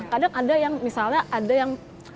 kadang ada yang misalnya ada yang